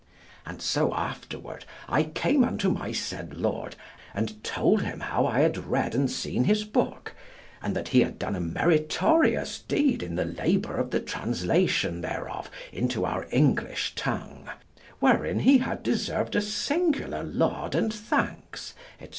And so afterward I came unto my said Lord, and told him how I had read and seen his book, and that he had done a meritorious deed in the labour of the translation thereof into our English tongue, wherein he had deserved a singular laud and thanks, &c.